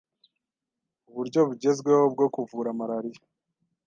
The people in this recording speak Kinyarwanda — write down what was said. uburyo bugezweho bwo kuvura malaria.